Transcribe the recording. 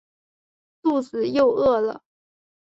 肚子又饿了